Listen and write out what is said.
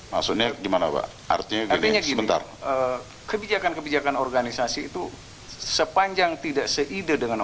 maksudnya gimana pak artinya kebijakan kebijakan organisasi itu sepanjang tidak seideh dengan